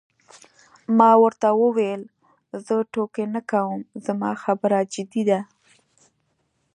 ما ورته وویل: زه ټوکې نه کوم، زما خبره جدي ده.